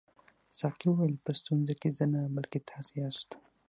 ساقي وویل په ستونزه کې زه نه بلکې تاسي یاست.